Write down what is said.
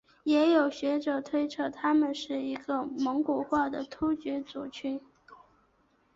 也有学者推测他们是一个蒙古化的突厥族群。